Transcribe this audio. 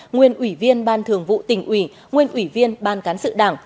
nguyên ủy viên ban thường vụ tỉnh ủy nguyên ủy viên ban cán sự đảng